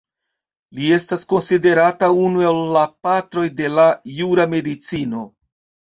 Li estas konsiderata unu el la patroj de la jura medicino.